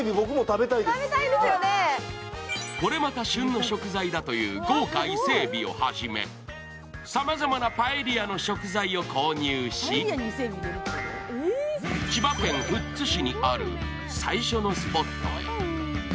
これまた旬の食材だという豪華伊勢えびをはじめさまざまなパエリアの食材を購入し、千葉県富津市にある最初のスポットへ。